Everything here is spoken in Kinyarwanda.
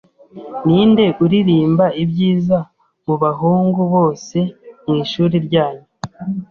Ninde uririmba ibyiza mubahungu bose mwishuri ryanyu?